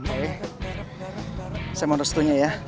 oke saya mau restuinya ya